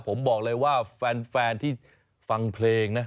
ผมบอกเลยว่าแฟนที่ฟังเพลงนะ